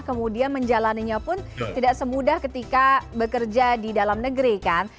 kemudian menjalannya pun tidak semudah ketika bekerja di dalam negeri kan